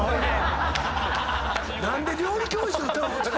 何で料理教室の。